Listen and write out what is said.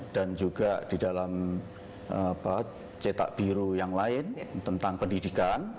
dan juga di dalam cetak biru yang lain tentang pendidikan